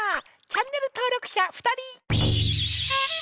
チャンネル登録者２人！